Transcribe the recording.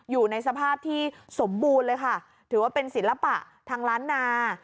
อยู่ในสภาพที่สมบูรณ์เลยค่ะถือว่าเป็นศิลปะทางล้านนา